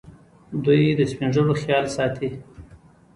دوی د سپین ږیرو خیال ساتي.